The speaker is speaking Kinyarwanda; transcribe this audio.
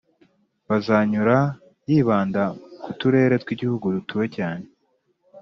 bazanyura, yibanda ku turere tw'igihugu dutuwe cyane,